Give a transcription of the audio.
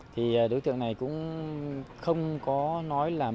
thì đối tượng này cũng không có nói là